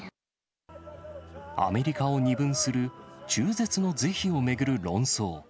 アメリカを二分する中絶の是非を巡る論争。